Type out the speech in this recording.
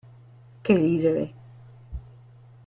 Che ridere!